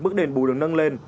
mức đền bù được nâng lên